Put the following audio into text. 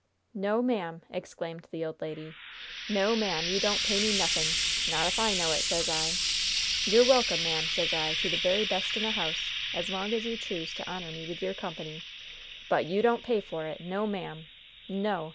"No, ma'am!" exclaimed the old lady. "No, ma'am, you don't pay me nothing! Not if I know it, sez I! You're welkim, ma'am, sez I, to the very best in the house, as long as you choose to honor me with your company. But you don't pay for it! No, ma'am! No!